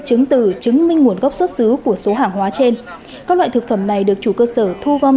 chứng từ chứng minh nguồn gốc xuất xứ của số hàng hóa trên các loại thực phẩm này được chủ cơ sở thu gom